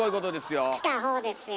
来たほうですよ。